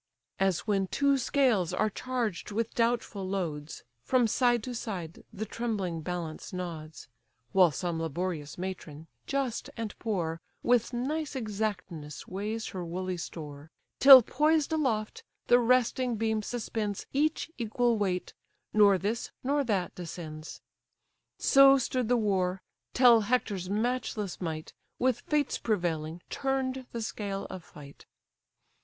As when two scales are charged with doubtful loads, From side to side the trembling balance nods, (While some laborious matron, just and poor, With nice exactness weighs her woolly store,) Till poised aloft, the resting beam suspends Each equal weight; nor this, nor that, descends: So stood the war, till Hector's matchless might, With fates prevailing, turn'd the scale of fight.